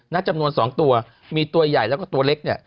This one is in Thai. จำนวน๒ตัวมีตัวใหญ่แล้วก็ตัวเล็กเนี่ย